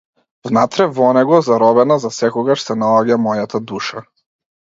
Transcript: Внатре во него, заробена засекогаш, се наоѓа мојата душа.